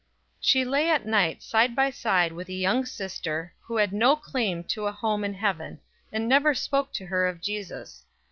She lay at night side by side with a young sister, who had no claim to a home in heaven, and never spoke to her of Jesus.